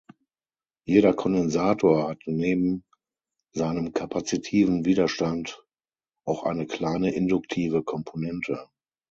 Jeder Kondensator hat neben seinem kapazitiven Widerstand auch eine kleine induktive Komponente.